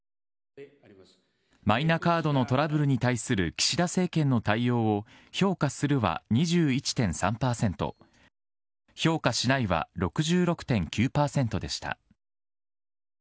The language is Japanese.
マイナカードのトラブルに対する岸田政権の対応を評価するは２１．３％、評価しないは６６．９％でした。